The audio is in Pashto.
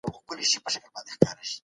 ذهني ارامتیا پر کار تمرکز زیاتوي.